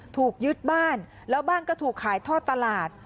ถูกยึดบ้านแล้วบ้านก็ถูกขายทอดตลาด